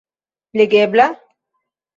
Legebla?